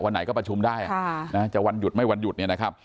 ไหนก็ประชุมได้จะวันหยุดไม่วันหยุดเนี่ยนะครับ